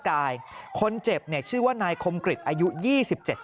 แล้วพ่อเลยคือกำลังแท่น